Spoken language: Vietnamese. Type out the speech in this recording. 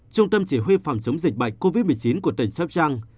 trung tâm chỉ huy phòng chống dịch bệnh covid một mươi chín của tỉnh sắp trăng